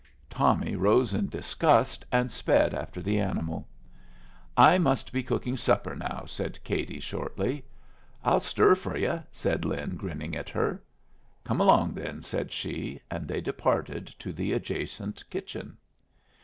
Tommy rose in disgust and sped after the animal. "I must be cooking supper now," said Katie, shortly. "I'll stir for yu'," said Lin, grinning at her. "Come along then," said she; and they departed to the adjacent kitchen.